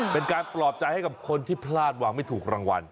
เป็นการปลอบใจให้กับคนที่พลาดหวังไม่ถูกรางวัล